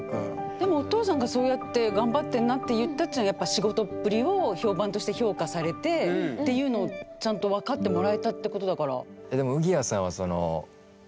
でもお父さんがそうやって「頑張ってんな」って言ったっていうのはやっぱっていうのをちゃんと分かってもらえたってことだから。